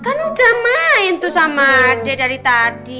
kan udah main tuh sama ade dari tadi